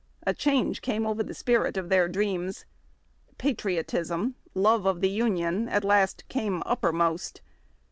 A change came over the spirit of their dreams. Patriotism, love of the Union, at last came uppermost.